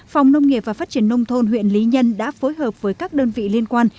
phòng nông nghiệp và phát triển nông thôn huyện lý nhân đã phối hợp với các đơn vị liên quan